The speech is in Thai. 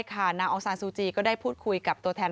นางองซานซูจีก็ได้พูดคุยกับตัวแทน